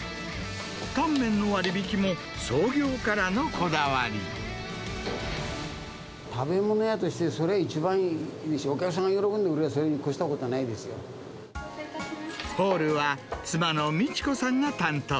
タンメンの割引も創業からのこだ食べ物屋として、それ、一番いいし、お客さんが喜んでくれれば、それに越したことはないホールは、妻の美千子さんが担当。